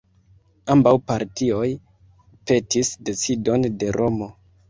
Ambaŭ partioj petis decidon de Romo.